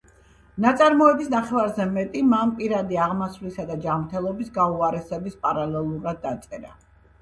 ნაწარმოების ნახევარზე მეტი მან პირადი აღმასვლისა და ჯანმრთელობის გაუარესების პარალელურად დაწერა